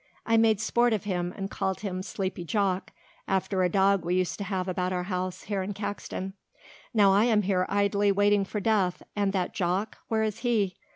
I made sport of him and called him Sleepy Jock after a dog we used to have about our house here in Caxton. Now I am here idly waiting for death and that Jock, where is he?